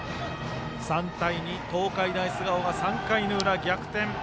３対２東海大菅生が３回の裏に逆転。